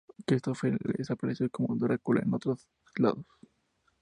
Christopher Lee apareció como Drácula en otras dos.